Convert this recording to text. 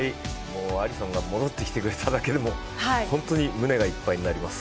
アリソンが戻ってきてくれただけでも本当に胸がいっぱいになります。